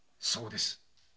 そうです。